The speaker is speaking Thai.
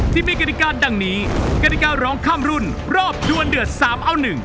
ที่มีกฎิการดังนี้กฎิการร้องค่ำรุนรอบด้วย๓เอ้า๑